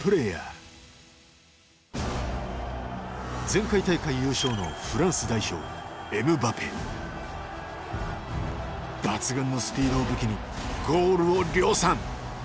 前回大会優勝のフランス代表抜群のスピードを武器にゴールを量産。